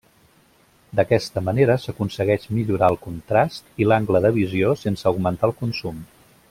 D'aquesta manera s'aconsegueix millorar el contrast i l'angle de visió sense augmentar el consum.